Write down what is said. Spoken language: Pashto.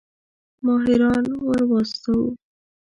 ماهران ورواستوو.